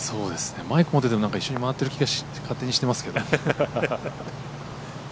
マイク持ってても一緒に回ってる気が勝手にしてますけど。